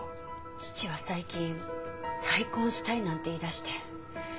父は最近再婚したいなんて言い出して。